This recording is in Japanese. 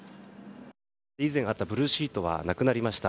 以前あったブルーシートはなくなりました。